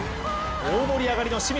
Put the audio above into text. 大盛り上がりの清水。